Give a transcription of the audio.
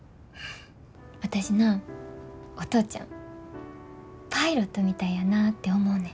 私なお父ちゃんパイロットみたいやなて思うねん。